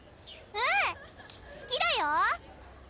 うんすきだよ！